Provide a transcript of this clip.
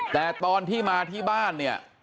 แต่ตอนที่มาที่บ้าน